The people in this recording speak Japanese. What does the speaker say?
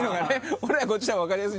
俺らこっちの方がわかりやすい。